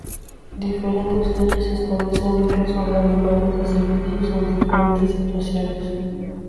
Diferentes leyes establecen reglas sobre animales de servicio en diferentes situaciones.